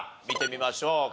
見てみましょう。